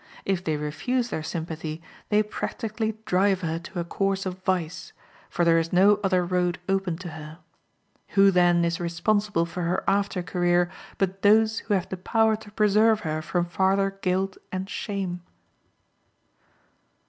If they refuse their sympathy, they practically drive her to a course of vice, for there is no other road open to her. Who, then, is responsible for her after career but those who have the power to preserve her from farther guilt and shame?